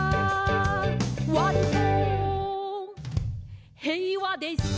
「わりとへいわでした！」